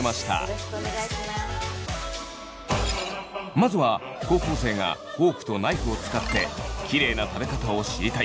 まずは高校生がフォークとナイフを使ってキレイな食べ方を知りたい